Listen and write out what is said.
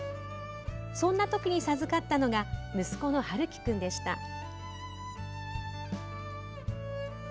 そんなときに授かったのが息子の陽喜君でした。